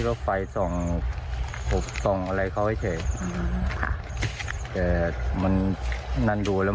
แล้วได้สอบถามชาวบ้านไหมว่า